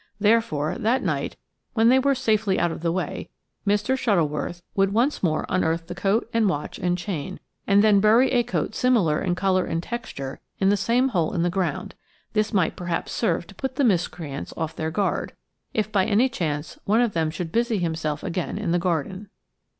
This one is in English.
Therefore, that night, when they were safely out of the way, Mr. Shuttleworth would once more unearth the coat, and watch and chain, and then bury a coat similar in colour and texture in that same hole in the ground; this might perhaps serve to put the miscreants off their guard, if by any chance one of them should busy himself again in the garden.